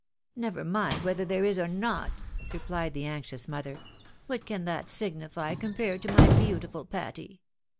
" Never mind whether there is or not! " repHed the anxious mother. " What can that signify compared to my beautiful Patty